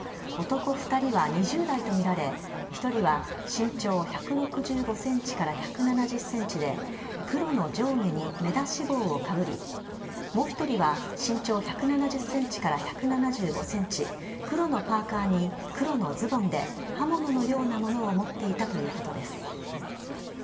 男２人は２０代と見られ、１人は身長１６５センチから１７０センチで、黒の上下に目出し帽をかぶり、もう１人は、身長１７０センチから１７５センチ、黒のパーカーに黒のズボンで、刃物のようなものを持っていたということです。